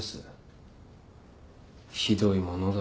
ひどいものだ。